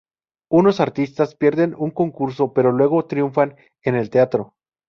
Unos artistas pierden un concurso pero luego triunfan en el teatro.